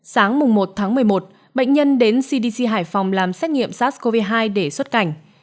sáng một tháng một mươi một bệnh nhân đến cdc hải phòng làm xét nghiệm sars cov hai để xuất cảnh